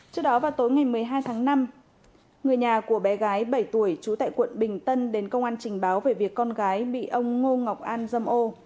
trước đó vào tối ngày một mươi hai tháng năm người nhà của bé gái bảy tuổi trú tại quận bình tân đến công an trình báo về việc con gái bị ông ngô ngọc an dâm ô